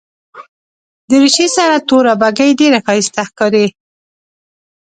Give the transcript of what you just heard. دریشي سره توره بګۍ ډېره ښایسته ښکاري.